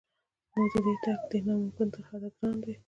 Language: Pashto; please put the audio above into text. نو د دې تګ دی نا ممکن تر حده ګران دی